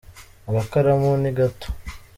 agakaramu nigato